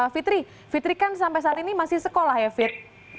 fitri fitri kan sampai saat ini masih sekolah ya fit